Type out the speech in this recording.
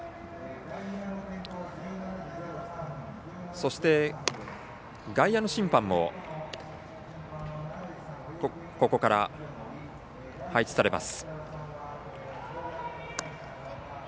そして外野の審判もここから配置されます。